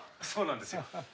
そうなんですよ。